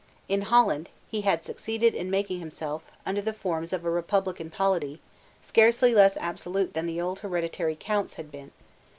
In Holland, he had succeeded in making himself, under the forms of a republican polity, scarcely less absolute than the old hereditary Counts had been.